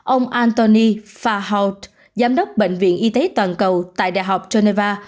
ông anthony faholt giám đốc bệnh viện y tế toàn cầu tại đại học geneva